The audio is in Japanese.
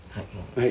はい。